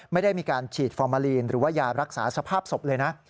ไม่ได้มีการฉีดฟอร์มาลีนหรือว่ายารักษาสภาพศพเลยนะ